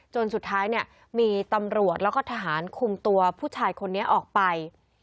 จนสุดท้ายเนี่ยมีตำรวจแล้วก็ทหารคุมตัวผู้ชายคนนี้ออกไป